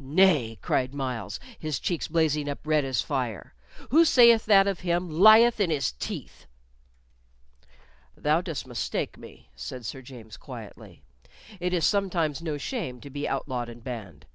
"Nay," cried Myles, his cheeks blazing up as red as fire; "who sayeth that of him lieth in his teeth." "Thou dost mistake me," said Sir James, quietly. "It is sometimes no shame to be outlawed and banned.